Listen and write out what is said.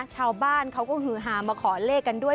ชาวบ้านเขาก็ฮือหามาขอเลขกันด้วย